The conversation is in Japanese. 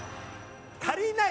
足りない！